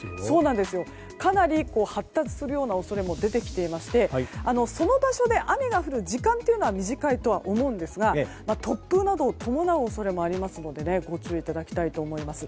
かなり発達する恐れも出てきていましてその場所で雨が降る時間は短いんですが突風などを伴う恐れもありますのでご注意いただきたいと思います。